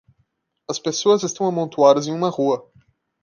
As pessoas estão amontoadas em uma rua.